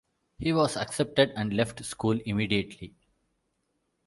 He was accepted and left school immediately.